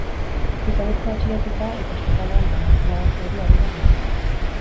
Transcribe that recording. Gizonezkoa atxilotuta eta ospitalean dago, laban zauri arinak baititu.